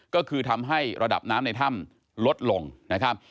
ก็คือทำให้ระดับน้ำในถ้ำลดลงนะครับ